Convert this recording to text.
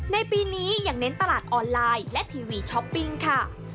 ในปีนี้ยังเน้นตลาดออนไลน์และทีวีช้อปปิ้งค่ะ